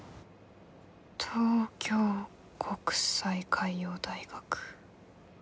東京国際海洋大学。